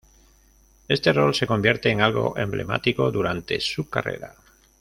Este rol se convierte en algo emblemático durante su carrera.